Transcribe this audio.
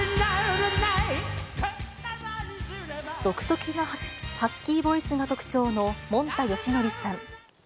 独特なハスキーボイスが特徴のもんたよしのりさん。